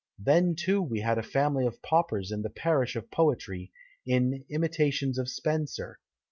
Then too we had a family of paupers in the parish of poetry, in "Imitations of Spenser."